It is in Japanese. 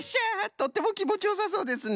とってもきもちよさそうですね。